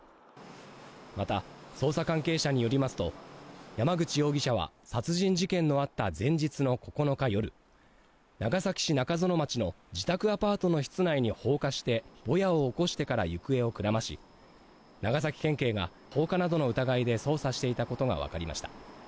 また、捜査関係者によりますと山口容疑者は殺人事件のあった前日の９日夜、長崎市中園町の自宅アパートの室内に放火して、ボヤを起こしてから行方をくらまし、長崎県警が放火などの疑いで捜査していたことがわかりました。